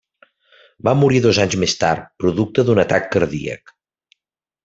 Va morir dos anys més tard producte d'un atac cardíac.